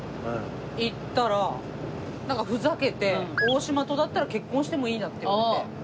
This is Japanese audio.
行ったらなんかふざけて「大島とだったら結婚してもいいな」って言って。